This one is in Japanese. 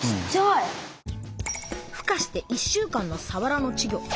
ふ化して１週間のさわらの稚魚。